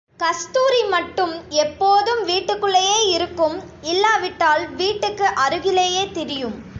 கஸ்தூரிமட்டும் எப்போதும் வீட்டுக்குள்ளேயே இருக்கும், இல்லாவிட்டால் வீட்டுக்கு அருகிலேயே திரியும்.